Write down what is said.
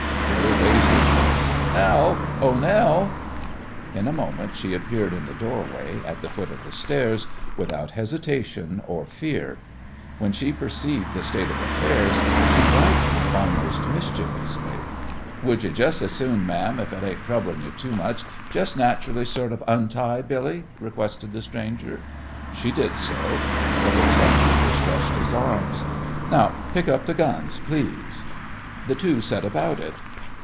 Billy raised his voice. "Nell! Oh, Nell!" In a moment she appeared in the doorway at the foot of the stairs, without hesitation or fear. When she perceived the state of affairs, she brightened almost mischievously. "Would you jest as soon, ma'am, if it ain't troubling you too much, jest nat'rally sort of untie Billy?" requested the stranger. She did so. The hotel keeper stretched his arms. "Now, pick up th' guns, please." The two set about it.